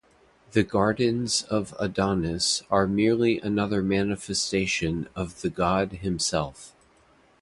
The gardens of Adonis are merely another manifestation of the god himself.